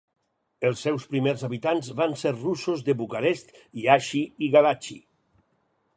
Els seus primers habitants van ser russos de Bucarest, Iaşi i Galaţi.